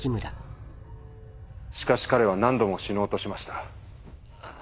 しかし彼は何度も死のうとしました。